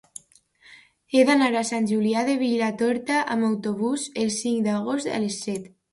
He d'anar a Sant Julià de Vilatorta amb autobús el cinc d'agost a les set.